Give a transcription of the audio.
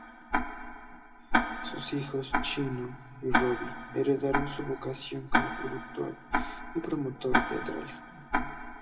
Sus hijos, "Chino" y "Roby", heredaron su vocación como productor y promotor teatral.